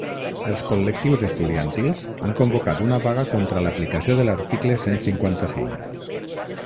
Els col·lectius estudiantils han convocat una vaga contra l’aplicació de l’article cent cinquanta-cinc.